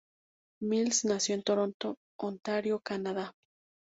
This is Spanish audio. Mills nació en Toronto, Ontario, Canadá.